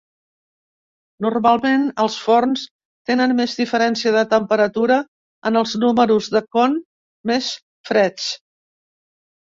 Normalment, els forns tenen més diferència de temperatura en els números de con més freds.